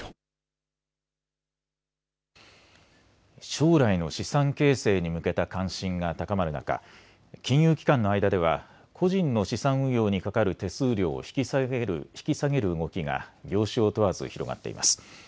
将来の資産形成に向けた関心が高まる中、金融機関の間では個人の資産運用にかかる手数料を引き下げる動きが業種を問わず広がっています。